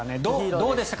どうでしたか？